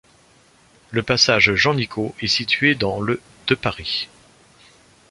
Le passage Jean-Nicot est situé dans le de Paris.